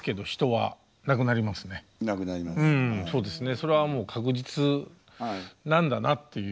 それはもう確実なんだなっていう。